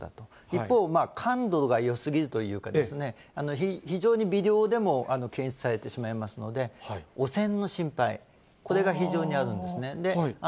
一方、感度がよすぎるというかですね、非常に微量でも検出されてしまいますので、汚染の心配、これが非常にあるんですね。